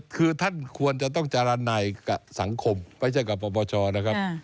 คือท่านควรจะต้องจารนายกับสังคมไม่ใช่กับปปชนะครับ